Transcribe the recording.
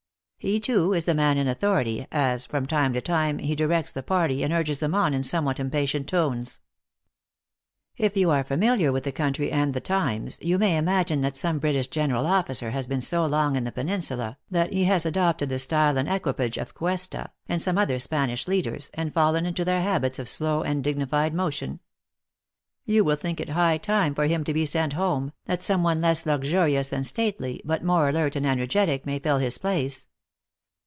He, too, is the man in authority as, from time to time, he directs the party and urges them on in somewhat impatient tones. If you are familiar w r ith the country and the times, you may imagine that some British general officer has been so long in the peninsula, that he has adopted the style and equipage of Cuesta, and some other Spanish leaders, and fallen into their habits of slow and digni fied motion. You will think it high time for him to be sent home, that some one less luxurious and state ly, but more alert and energetic, may fill his place.